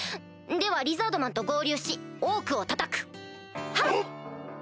ではリザードマンと合流しオークをたたく！はっ！